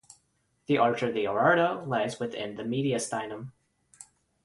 The arch of the Aorta lies within the mediastinum.